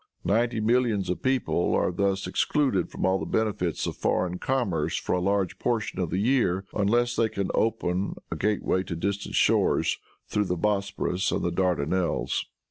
Ninety millions of people are thus excluded from all the benefits of foreign commerce for a large portion of the year unless they can open a gateway to distant shores through the Bosporus and the Dardanelles.